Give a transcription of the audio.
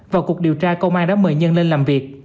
vào cuộc điều tra công an đã mời nhân lên làm việc